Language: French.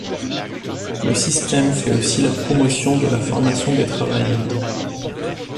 Le système fait aussi la promotion de la formation des travailleurs.